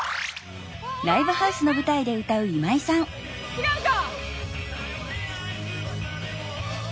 違うか。